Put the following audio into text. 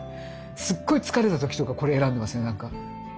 すっごい疲れた時とかこれ選んでますよなんか。